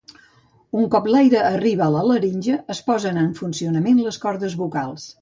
Un cop l'aire arriba a la laringe, es posen en funcionament les cordes vocals.